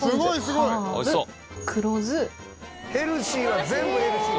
ヘルシーは全部ヘルシー。